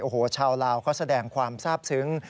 โอ้โหชาวลาวเขาแสดงความทราบซึ้ง